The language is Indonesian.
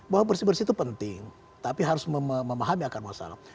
bahwa bersih bersih itu penting tapi harus memahami akar masalah